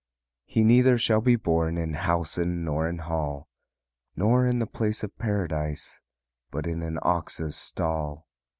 "He neither shall be born In housen, nor in hall, Nor in the place of Paradise, But in an ox's stall.